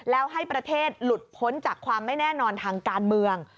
แล้วให้ประเทศหลุดพ้นจากความไม่แน่นอนทางการเมือง